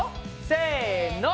せの！